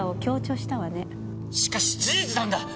しかし事実なんだ！